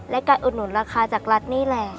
และการอุดหนุนราคาจากรัฐนี่แหละ